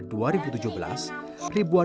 ribuan warga memiliki kejadian yang berbeda